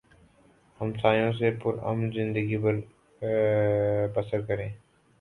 ہمسایوں سے پر امن زندگی بسر کریں